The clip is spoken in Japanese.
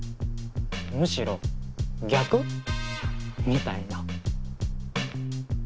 むしろ逆？みたいな。